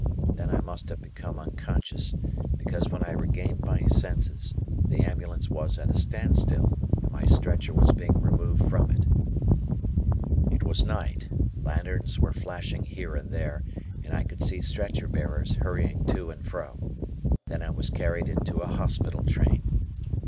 Then I must have become unconscious, because when I regained my senses, the ambulance was at a standstill, and my stretcher was being removed from it. It was night, lanterns were flashing here and there, and I could see stretcher bearers hurrying to and fro. Then I was carried into a hospital train.